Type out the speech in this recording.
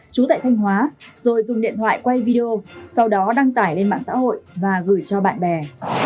chú tại thanh hóa rồi dùng điện thoại quay video sau đó đăng tải lên mạng xã hội và gửi cho bạn bè